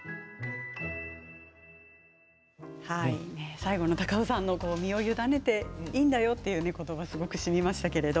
最後、高尾さんの身を委ねていいんだよという言葉がすごくしみました。